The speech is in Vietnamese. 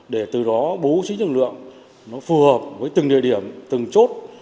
để từ đó bố trí lực lượng nó phù hợp với từng địa điểm từng chốt